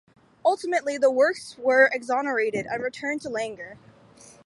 Ultimately the works were exonerated and returned to Langer.